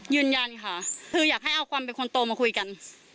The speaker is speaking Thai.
ยืนยันค่ะคืออยากให้เอาความเป็นคนโตมาคุยกัน